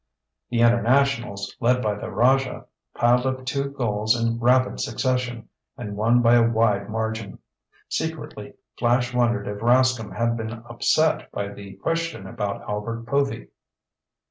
The Internationals, led by the Rajah, piled up two goals in rapid succession, and won by a wide margin. Secretly Flash wondered if Rascomb had been upset by the question about Albert Povy.